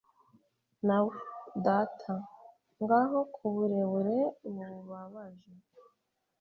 nawe, data, ngaho ku burebure bubabaje